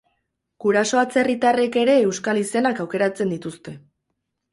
Guraso atzerritarrek ere euskal izenak aukeratzen dituzte.